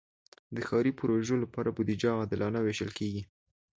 د ښاري پروژو لپاره بودیجه عادلانه ویشل کېږي.